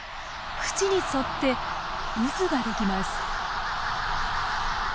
縁に沿って渦が出来ます。